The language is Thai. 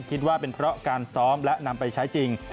คิดว่าเป็นเพราะการซ้อมและนำไปใช้จริง